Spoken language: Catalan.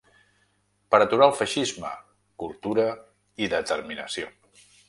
Per aturar el feixisme, cultura i determinació.